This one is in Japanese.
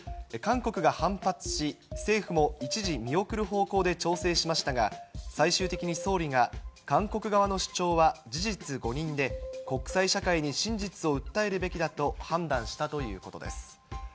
韓国が反発し、政府も一時見送る方向で調整しましたが、最終的に総理が、韓国側の主張は事実誤認で、国際社会に真実を訴えるべきだと判断したということです。